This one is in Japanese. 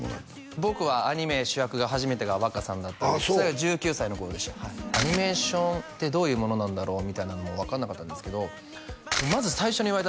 僕はアニメ主役が初めてが若さんだったのでそれが１９歳の頃でしたアニメーションってどういうものなんだろうみたいなのも分からなかったんですけどまず最初に言われたんです